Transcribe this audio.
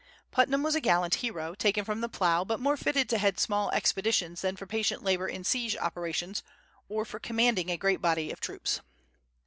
Putnam was a gallant hero, taken from the plough, but more fitted to head small expeditions than for patient labor in siege operations, or for commanding a great body of troops.